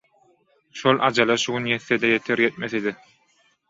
- Şol ajal-a şu gün ýetse-de ýeter, ýetmese-de.